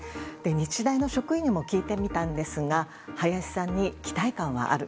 日大の職員にも聞いてみたんですが林さんに期待感はある。